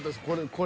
これ。